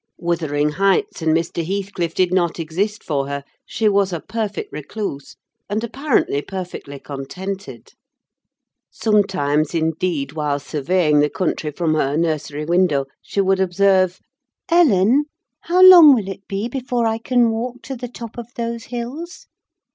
Wuthering Heights and Mr. Heathcliff did not exist for her: she was a perfect recluse; and, apparently, perfectly contented. Sometimes, indeed, while surveying the country from her nursery window, she would observe— "Ellen, how long will it be before I can walk to the top of those hills?